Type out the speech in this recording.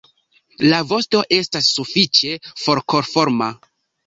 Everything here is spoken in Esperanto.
La vosto estas sufiĉe forkoforma.